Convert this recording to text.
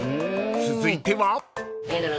［続いては］